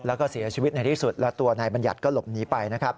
แล้วก็เสียชีวิตในที่สุดแล้วตัวนายบัญญัติก็หลบหนีไปนะครับ